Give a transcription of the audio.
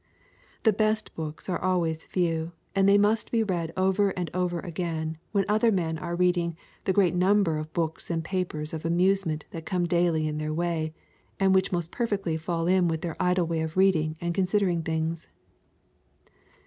The best books are always few, and they must be read over and over again when other men are reading the 'great number of books and papers of amusement that come daily in their way, and which most perfectly fall in with their idle way of reading and considering things.'